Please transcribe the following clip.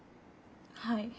はい。